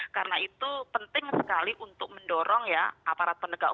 karena itu penting sekali untuk mendorong ya aparat penegak umum